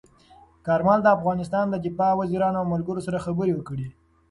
کارمل د افغانستان د دفاع وزیرانو او ملګرو سره خبرې کړي.